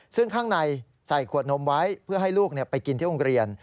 ซึ่งข้างในใส่ขวดนมไว้เพื่อให้ลูกไปกินที่โรงเรียน